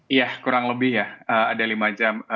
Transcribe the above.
iya kurang lebih ya ada lima jam